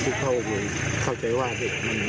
ก็เกียจจาก๒นัดพวกผมเก่าใจว่าถึงเป็นนึง